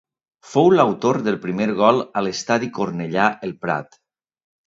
Fou l'autor del primer gol a l'Estadi Cornellà-El Prat.